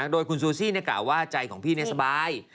โดยคุณซูซี่เนี่ยกล่าวว่าใจของพี่เนี่ยสบาย